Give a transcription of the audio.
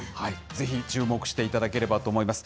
ぜひ、注目していただければと思います。